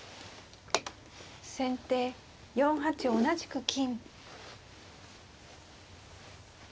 先手４八同じく金。